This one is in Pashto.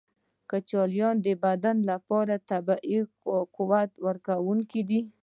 کچالو د بدن لپاره طبیعي قوت ورکونکی دی.